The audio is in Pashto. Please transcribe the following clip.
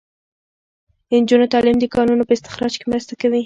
د نجونو تعلیم د کانونو په استخراج کې مرسته کوي.